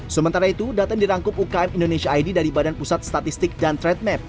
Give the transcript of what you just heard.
sementara itu daten dirangkup ukm indonesia id dari badan pusat statistik dan threat map